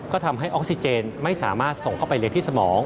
ก็ทำให้ออกซิเจนไม่สามารถส่งเข้าไปเรียนที่สมอง